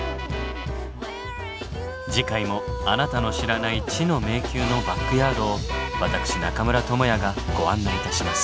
次回もあなたの知らない知の迷宮のバックヤードを私中村倫也がご案内いたします。